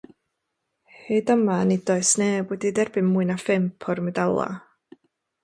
Hyd yma nid oes neb wedi derbyn mwy na phump o'r medalau.